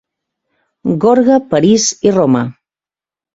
Gorga, París i Roma.